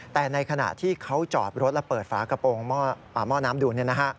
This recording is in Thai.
แต่ในขณะที่เขาจอดรถและเปิดฝากระโปรงหม้อน้ำดู